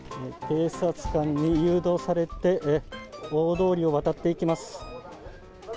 警察官に誘導されて、大通りを渡っていきます。